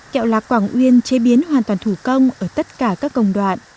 kẹo lạc quảng uyên chế biến hoàn toàn thủ công ở tất cả các công đoạn